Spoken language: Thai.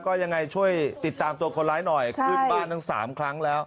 ก็ยังไงช่วยติดตามตัวคนร้ายหน่อยขึ้นบ้านทั้ง๓ครั้งแล้ว